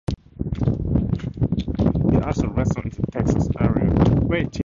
He also wrestled in the Texas area where he teamed with Jeff Jarrett.